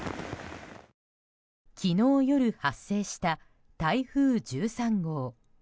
昨日夜発生した、台風１３号。